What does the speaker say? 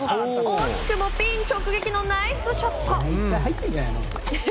惜しくもピン直撃のナイスショット！